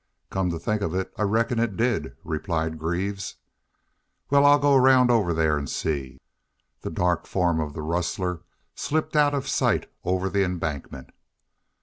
"Come to think of it, I reckon it did," replied Greaves. "Wal, I'll go around over thar an' see." The dark form of the rustler slipped out of sight over the embankment.